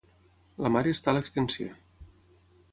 La mare està a l'extensió.